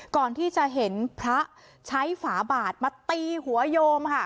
ก่อนที่จะเห็นพระใช้ฝาบาดมาตีหัวโยมค่ะ